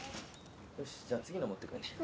よしじゃあ次の持ってくるね